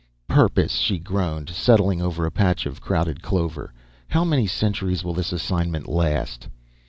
"Purpose!" she groaned, settling over a patch of crowded clover. "How many centuries will this assignment last?"